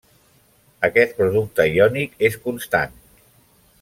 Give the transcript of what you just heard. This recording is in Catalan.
Aquest producte iònic és constant.